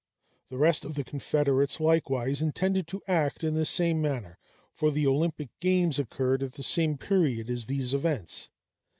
The rest of the confederates likewise intended to act in the same manner; for the Olympic games occurred at the same period as these events.